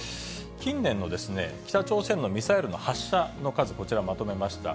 近年の北朝鮮のミサイルの発射の数、こちら、まとめました。